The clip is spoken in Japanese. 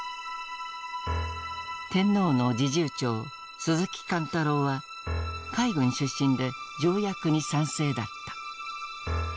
天皇の侍従長鈴木貫太郎は海軍出身で条約に賛成だった。